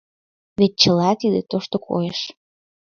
Вет чыла тиде — тошто койыш».